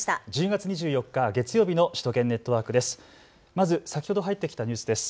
１０月２４日、月曜日の首都圏ネットワークです。